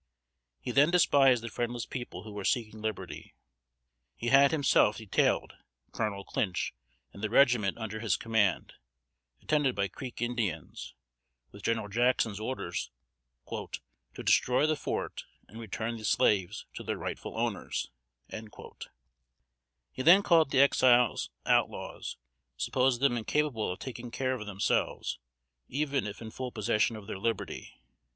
He then despised the friendless people who were seeking liberty. He had himself detailed Colonel Clinch and the regiment under his command, attended by Creek Indians, with General Jackson's orders "to destroy the fort, and return the slaves to their rightful owners." He then called the Exiles "outlaws," supposed them incapable of taking care of themselves, even if in full possession of their liberty.